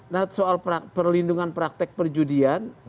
nah soal perlindungan praktek perjudian